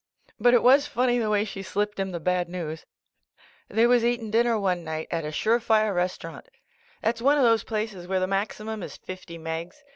But it was funny the way she slipped him the bad news ! They was eating dinner one night at a The Flash Back 109 sure fire restaurant. That's one of those places where the maximum is fifty megs.